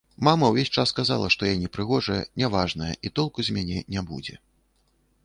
Мама ўвесь час казала, што я непрыгожая, няважная і толку з мяне не будзе.